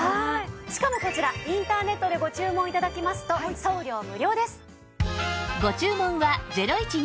しかもこちらインターネットでご注文頂きますと送料無料です。